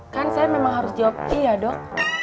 kan saya memang harus jawab iya dok